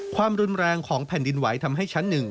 ความรุนแรงของแผ่นดินไหวทำให้ชั้น๑